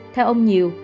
theo ông nhiều